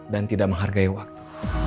dan tidak menghargai waktu